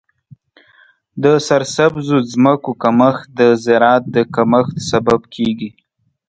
د سرسبزو ځمکو کمښت د زراعت د کمښت سبب کیږي.